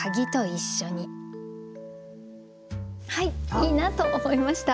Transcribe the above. いいなと思いました。